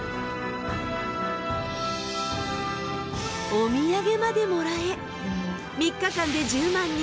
お土産までもらえ３日間で１０万人。